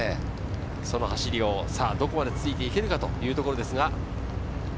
その走り、どこまでついていけるかというところですが。